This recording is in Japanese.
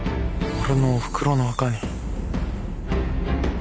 俺のお袋の墓に。